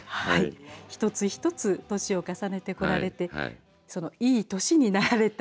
一つ一つ年を重ねてこられていい年になられた